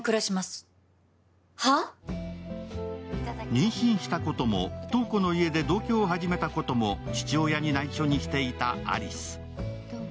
妊娠したことも瞳子の家で同居を始めたことも父親に内緒にしていた有栖。